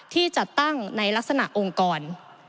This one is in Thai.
ที่จัดตั้งในลักษณะองค์กร